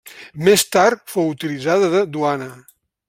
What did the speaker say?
Més tard fou utilitzada de duana.